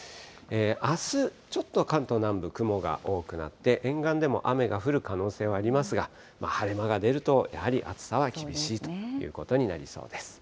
あす、ちょっと関東南部、雲が多くなって、沿岸でも雨が降る可能性はありますが、晴れ間が出ると、やはり暑さは厳しいということになりそうです。